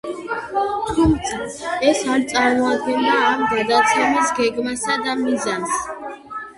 თუმცა, ეს არ წარმოადგენდა ამ გადაცემის გეგმასა და მიზანს.